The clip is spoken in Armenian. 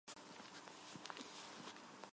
Ստեղծագործել է աշուղական ամենաբարդ երգատեսակներով։